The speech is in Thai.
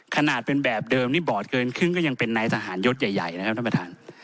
ขนาดเป็นแบบเดิมนี่บอร์ดเกินครึ่งก็ยังเป็นนายทหารยศใหญ่นะครับท่านประธาน